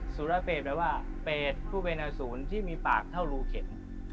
สุรเปศแปลว่าเปรตผู้เป็นอสูรที่มีปากเท่ารูเข็ม